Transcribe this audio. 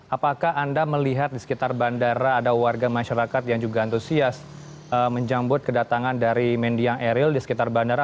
apakah anda melihat di sekitar bandara ada warga masyarakat yang juga antusias menjambut kedatangan dari mendiang eril di sekitar bandara